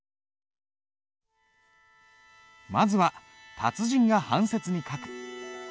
まずは達人が半切に書く。